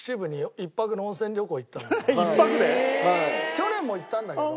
去年も行ったんだけど。